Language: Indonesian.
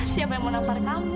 siapa yang mau nampak kamu